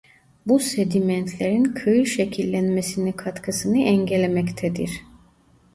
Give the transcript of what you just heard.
Bu sedimentlerin kıyı şekillenmesine katkısını engellemektedir.